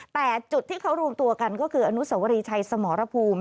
แต่จุดที่เขารวมตัวกันก็คืออนุสวรีชัยสมรภูมิ